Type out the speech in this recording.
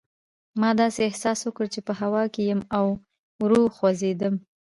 ما داسې احساس وکړل چې په هوا کې یم او ورو خوځېدم.